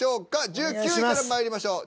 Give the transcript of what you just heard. １９位からまいりましょう。